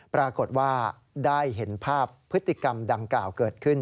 ปรากฏว่าได้เห็นภาพพฤติกรรมดังกล่าวเกิดขึ้น